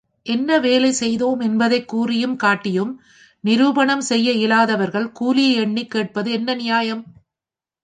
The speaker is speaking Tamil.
என்ன வேலை செய்தோம் என்பதைக் கூறியும் காட்டியும் நிரூபணம் செய்ய இயலாதவர்கள் கூலியை எண்ணிக் கேட்பது என்ன நியாயம்.